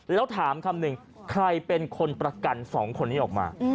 แล้วถามคำหนึ่งใครเป็นคนประกันสองคนนี้ออกมา